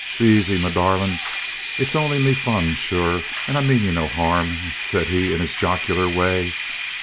"Be aisy, me darlint! It's only me fun, sure; and I mean ye no harrum," said he in his jocular way.